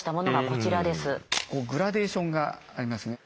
こうグラデーションがありますね。